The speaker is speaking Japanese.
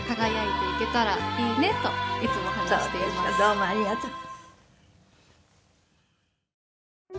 どうもありがとう。